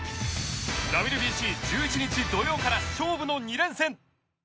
ＷＢＣ１１日土曜から勝負の２連戦。